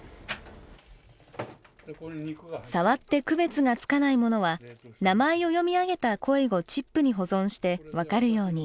触って区別がつかないものは名前を読み上げた声をチップに保存して分かるように。